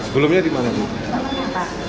sebelumnya di mana bu